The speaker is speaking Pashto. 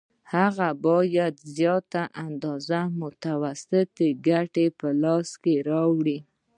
هغه باید زیاته اندازه متوسطه ګټه په لاس راوړي